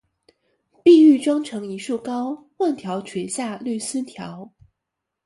碧玉妆成一树高，万条垂下绿丝绦